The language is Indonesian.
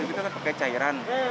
itu kan pakai cairan